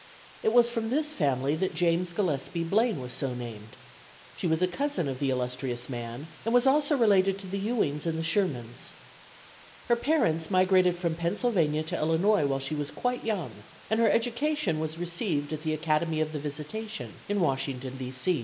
It was from this family that James Gillespie Blaine was so named. She was a cousin of the illustrious man, and was also related to the Ewings and the Shermans. Her parents migrated from Pennsylvania to Illinois while she was quite young, and her education was received at the Academy of the Visitation, in Washington, D.